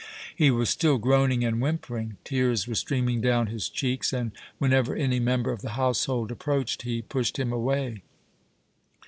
He was still groaning and whimpering. Tears were streaming down his cheeks, and, whenever any member of the household approached, he pushed him away.